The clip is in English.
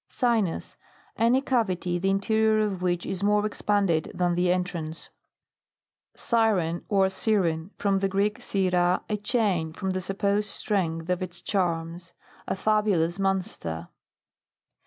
SINUS. Any cavity, the interior of which is more expanded than the entrance. 150 MAMMALOGY: GLOSSARY. SIREN, or Syren. From the Greek. sen fir, a chain, from the supposed strength of its charms. A fabulous monster.